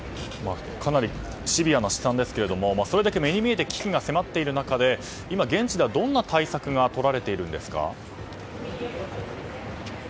かなりシビアな試算ですがそれだけ目に見えて危機が迫っている中で現地ではどんな対策がとられているんですか？